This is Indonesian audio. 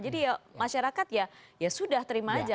jadi ya masyarakat ya sudah terima aja